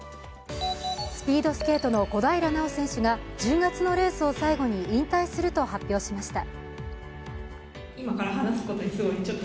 スピードスケートの小平奈緒選手が１０月のレースを最後に引退すると発表しました。